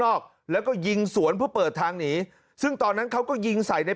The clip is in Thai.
อกแล้วก็ยิงสวนเพื่อเปิดทางหนีซึ่งตอนนั้นเขาก็ยิงใส่ใน